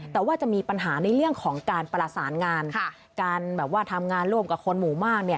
แต่ว่าจะมีปัญหาในเรื่องของการประสานงานการแบบว่าทำงานร่วมกับคนหมู่มาก